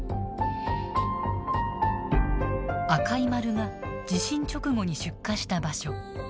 赤い丸が地震直後に出火した場所。